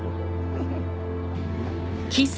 フフフ！